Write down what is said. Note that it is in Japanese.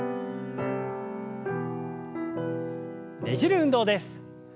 ねじる運動です。